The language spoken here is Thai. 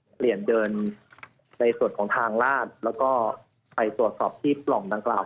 เปลี่ยนเดินในส่วนของทางลาดแล้วก็ไปตรวจสอบที่ปล่องดังกล่าว